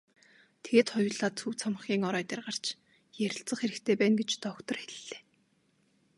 Тэгээд хоёулаа төв цамхгийн орой дээр гарч ярилцах хэрэгтэй байна гэж доктор хэллээ.